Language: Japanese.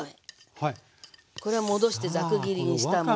これは戻してザク切りにしたもの。